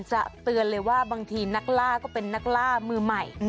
เตือนเลยว่าบางทีนักล่าก็เป็นนักล่ามือใหม่